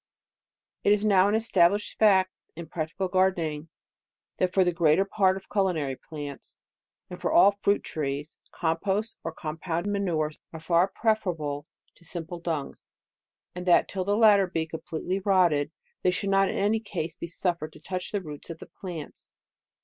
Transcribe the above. It is now an established fact in practical gardening, that for the greater part of culinary plants, and for all fruit trees, com posts or compound manures are far preferable to simple dungs, and that till the latter be completely rotted, they should not in any case be suffered to touch the roots of the plants.